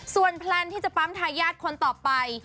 ส่วนแพลนที่จะปั๊มทายาทคนต่อไป